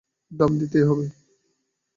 দাম দিতেই হবে।